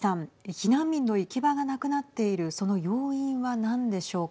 避難民の行き場がなくなっているその要因は何でしょうか。